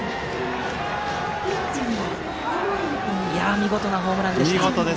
見事なホームランでした。